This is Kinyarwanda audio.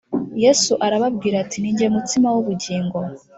Yesu arababwira ati Ni jye mutsima w ubugingo